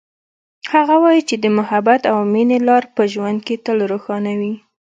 هغه وایي چې د محبت او مینې لار په ژوند کې تل روښانه وي